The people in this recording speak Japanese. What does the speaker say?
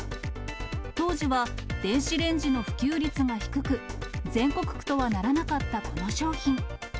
当時は電子レンジの普及率が低く、全国区とはならなかったこの商品。